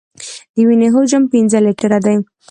د وینې حجم پنځه لیټره دی.